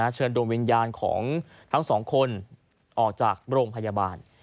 เชิญดวงวิญญาณของทั้งสองคนออกจากโรงพยาบาล